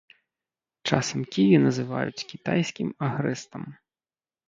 Часам ківі называюць кітайскім агрэстам.